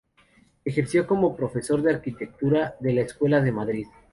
Ejerció como profesor de Arquitectura de la Escuela de Madrid.